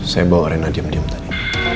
saya bawa rina diem diem tadi